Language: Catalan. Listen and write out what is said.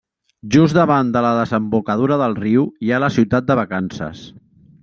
Just davant de la desembocadura del riu hi ha la Ciutat de Vacances.